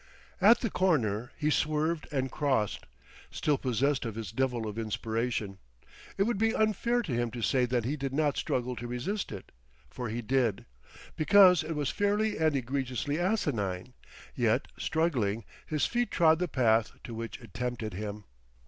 At the corner he swerved and crossed, still possessed of his devil of inspiration. It would be unfair to him to say that he did not struggle to resist it, for he did, because it was fairly and egregiously asinine; yet struggling, his feet trod the path to which it tempted him.